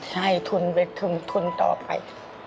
ให้ทุนเวททุนทุนต่อไป